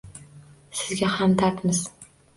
Sizga hamdardmiz.